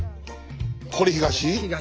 これ東？